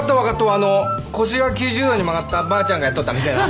あの腰が９０度に曲がったばあちゃんがやっとった店な。